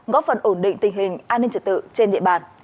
góp phần ổn định tình hình an ninh trật tự trên địa bàn